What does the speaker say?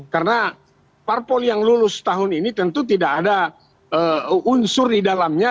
karena parpol yang lulus tahun ini tentu tidak ada unsur di dalamnya